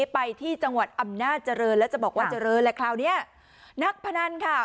ไปที่จังหวัดอำนาจเจริญแล้วจะบอกว่าเจริญแหละคราวเนี้ยนักพนันค่ะ